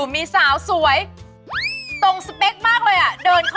อ๋อไม่ต้องคิดมาก